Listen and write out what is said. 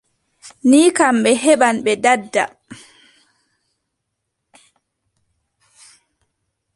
Ni kam, ɓe heɓɓan ɓe daɗɗa.